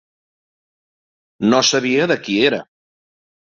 No sabia de qui era.